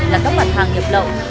là các mặt hàng nghiệp lậu